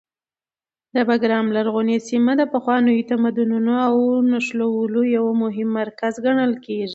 د بګرام لرغونې سیمه د پخوانیو تمدنونو د نښلولو یو مهم مرکز ګڼل کېږي.